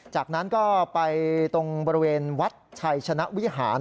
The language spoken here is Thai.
จากนั้นก็ไปตรงบริเวณวัดชัยชนะวิหาร